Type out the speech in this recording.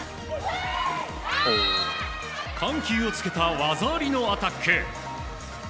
緩急をつけた技ありのアタック。